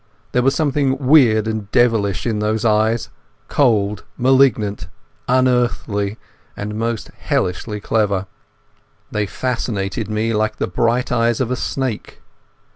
There was something weird and devilish in those eyes, cold, malignant, unearthly, and most hellishly clever. They fascinated me like the bright eyes of a snake.